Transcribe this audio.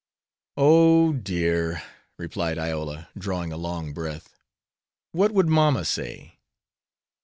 "Oh, dear," replied Iola, drawing a long breath. "What would mamma say?"